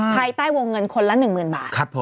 ภายใต้วงเงินคนละ๑๐๐๐บาท